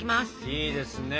いいですね。